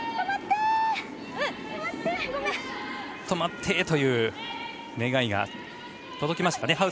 止まってという願いが届きましたかね。